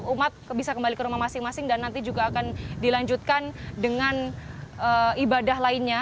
umat bisa kembali ke rumah masing masing dan nanti juga akan dilanjutkan dengan ibadah lainnya